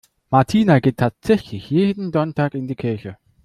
Martina geht tatsächlich jeden Sonntag in die Kirche.